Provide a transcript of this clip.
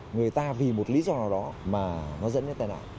người ta vì một lý do đó mà nó dẫn đến tai nạn